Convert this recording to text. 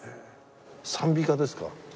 賛美歌ですか？